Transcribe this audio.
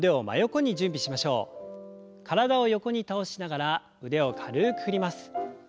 体を横に倒しながら腕を軽く振ります。